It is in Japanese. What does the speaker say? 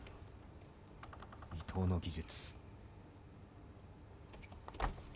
伊藤の技術。